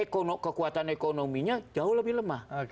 kekuatan ekonominya jauh lebih lemah